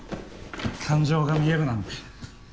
感情が見えるなんて。